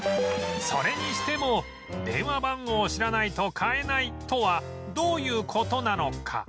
それにしても「電話番号を知らないと買えない」とはどういう事なのか？